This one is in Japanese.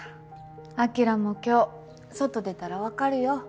晶も今日外出たら分かるよ。